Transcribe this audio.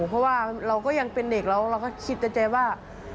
เพราะว่าเราก็ยังเป็นเด็กแล้วเราก็คิดในใจว่า